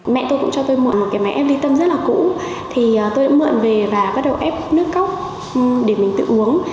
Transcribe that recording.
mẹ tôi cũng cho tôi mượn một cái máy ép ly tâm rất là cũ thì tôi đã mượn về và bắt đầu ép nước cóc để mình tự uống